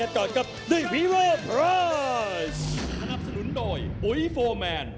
สนับสนุนโดยปุ๋ยโฟร์แมน